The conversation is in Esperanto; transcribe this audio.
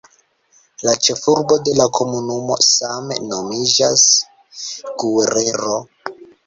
La ĉefurbo de la komunumo same nomiĝas "Guerrero".